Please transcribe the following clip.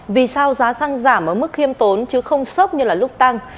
vì sao giá xăng giảm ở mức khiêm tốn chứ không sốc như là lúc tăng